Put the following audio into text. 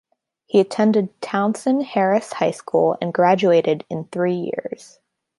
He attended Townsend Harris High School and graduated in three years.